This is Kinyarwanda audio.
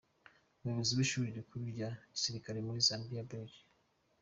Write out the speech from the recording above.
Umuyobozi w’Ishuri rikuru rya Gisirikare muri Zambia, Brig.